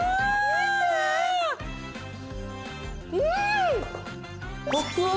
うん！